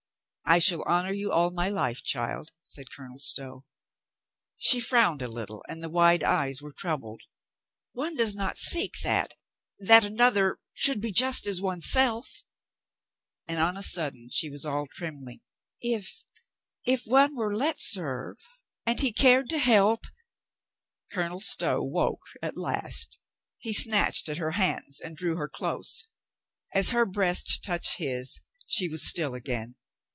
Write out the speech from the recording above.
"I shall honor you all my life, child," said Colonel Stow. She frowned a little and the wide eyes were troubled. "One does not seek that — that another — should be just as oneself." And on a sudden she ^was all trembling. "H — if one were let serve and — he cared to help —" Colonel Stow woke at last. He snatched at her hands and drew her close. As her breast touched his she was still again.